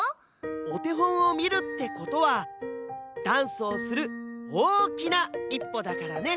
おてほんをみるってことはダンスをするおおきないっぽだからね！